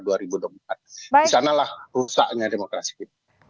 di sanalah rusaknya demokrasi kita